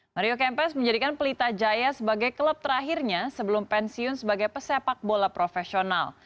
mario kempes menjadikan pelita jaya sebagai klub terakhirnya sebelum pensiun sebagai pesepak bola profesional